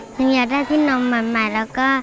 หนูอยากได้ที่นอนมากแล้วก็